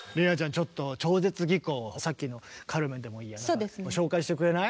ちょっと超絶技巧をさっきの「カルメン」でもいいやなんか紹介してくれない？